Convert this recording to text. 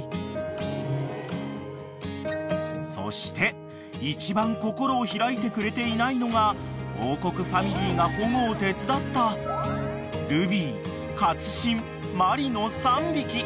［そして一番心を開いてくれていないのが『王国』ファミリーが保護を手伝ったルビー勝新マリの３匹］